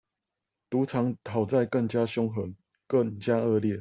賭場討債更加兇狠、更加惡劣